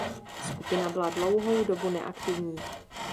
Skupina byla dlouhou dobu neaktivní.